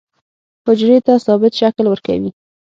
حجرې ته ثابت شکل ورکوي.